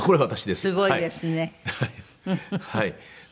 すごいですね。